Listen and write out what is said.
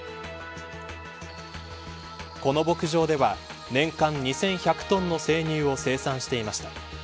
この牧場では年間２１００トンの生乳を生産していました。